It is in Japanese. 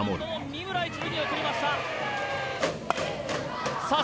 三村一塁に送りましたさあ